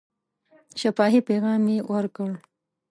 شفاهي پیغام یې ورکړ.